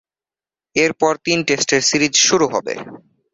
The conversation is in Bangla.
এরপর তিন টেস্টের সিরিজ শুরু হবে।